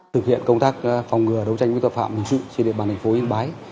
thực hiện công tác phòng ngừa đấu tranh với tội phạm hình sự trên địa bàn thành phố yên bái